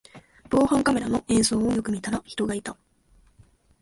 防犯カメラの映像をよく見たら人がいた